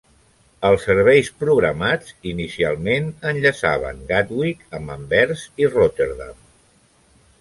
Els serveis programats, inicialment enllaçaven Gatwick amb Anvers i Rotterdam.